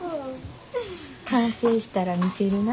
完成したら見せるな。